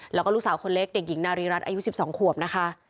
แล้วก็ลูกสาวคนเล็กเด็กหญิงนารีรัฐอายุ๑๒ขวบนะคะ